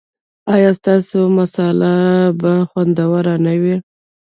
ایا ستاسو مصاله به خوندوره نه وي؟